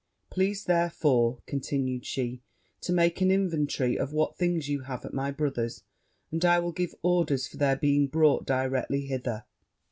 Please, therefore,' continued she, 'to make an inventory of what things you have at my brother's, and I will give orders for their being brought directly hither.'